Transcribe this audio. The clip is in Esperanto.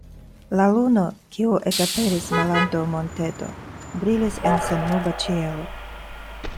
La luno, kiu ekaperis malantaŭ monteto, brilis en sennuba ĉielo.